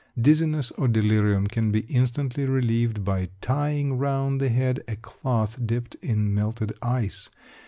Dizziness or delirium can be instantly relieved by tying round the head a cloth dipped in melted ice.